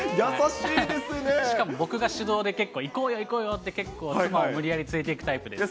しかも僕が主導で、結構、行こうよ、行こうよって、妻を無理やり連れていくタイプです。